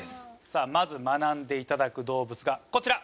さあまず学んでいただく動物がこちら。